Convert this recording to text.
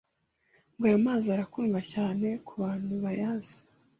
ngo ayo mazi arakundwa cyane ku bantu bayazi.